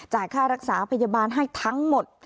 ค่ารักษาพยาบาลให้ทั้งหมด